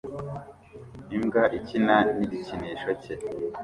imbwa ikina nigikinisho cye